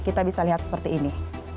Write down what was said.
kita bisa lihat seperti ini